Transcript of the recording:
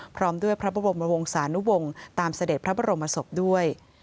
พร้อมด้วยพระบรมวงศานุวงศ์ตามเสด็จพระบรมศพด้วย